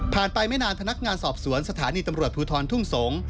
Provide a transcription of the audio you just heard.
ไปไม่นานพนักงานสอบสวนสถานีตำรวจภูทรทุ่งสงศ์